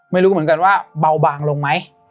ไม่รู้เหมือนกันว่าเบาบางลงไหม